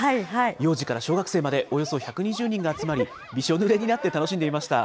幼児から小学生までおよそ１２０人が集まり、びしょぬれになって楽しんでいました。